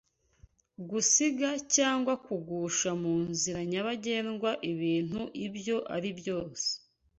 gusiga cyangwa kugusha mu nzira nyabagendwa ibintu ibyo aribyo byose